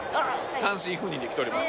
単身赴任で来ております。